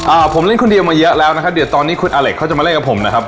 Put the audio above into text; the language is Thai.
อ่าผมเล่นคนเดียวมาเยอะแล้วนะครับเดี๋ยวตอนนี้คุณอาเล็กเขาจะมาเล่นกับผมนะครับ